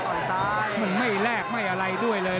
ซ้ายมันไม่แลกไม่อะไรด้วยเลย